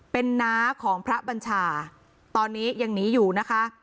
เป็นน้าของพระบัญชาตอนนี้ยังหนีอยู่นะคะ